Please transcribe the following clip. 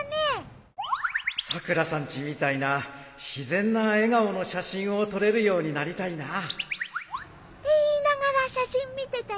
さくらさんちみたいな自然な笑顔の写真を撮れるようになりたいなって言いながら写真見てたよ。